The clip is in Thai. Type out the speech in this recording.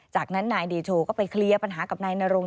จากนั้นนายเดโชก็ไปเคลียร์ปัญหากับนายนรง